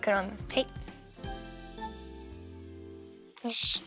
よし。